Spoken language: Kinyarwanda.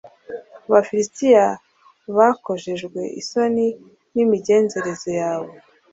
Abafilisitiya bakojejwe isoni n imigenzereze yawe